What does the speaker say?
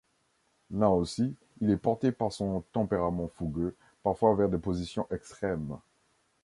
Là aussi, il est porté par son tempérament fougueux, parfois vers des positions extrêmes.